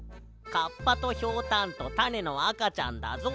カッパとひょうたんとたねのあかちゃんだぞ。